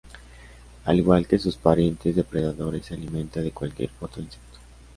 Al igual que sus parientes depredadores se alimenta de cualquier otro insecto.